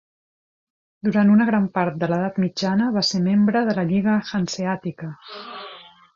Durant una gran part de l'edat mitjana va ser membre de la Lliga Hanseàtica.